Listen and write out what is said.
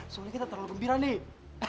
sebenarnya kita terlalu gembira nih